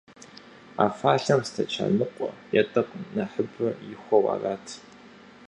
А фӀалъэм стэчан ныкъуэ е тӀэкӀу нэхъыбэ ихуэу арат.